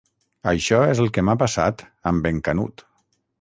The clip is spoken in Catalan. Això és el que m'ha passat amb en Canut.